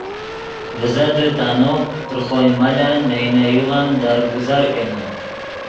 ڤزدیتآ نو تر خوئے ملن نئے نے یوغن درگزر کینے